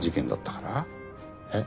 えっ？